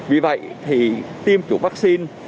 vì vậy thì tiêm chủ vaccine